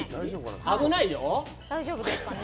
危ないよ！